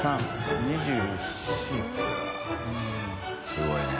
すごいね。